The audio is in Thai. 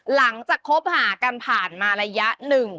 หลังจากคบหากันผ่านมาระยะหนึ่ง